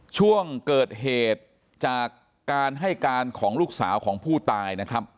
ช่วงเกิดเหตุจากการให้การของลูกสาวของผู้ตายนะครับ